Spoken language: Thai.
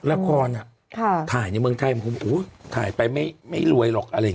ละครถ่ายในเมืองไทยของผมถ่ายไปไม่รวยหรอกอะไรอย่างนี้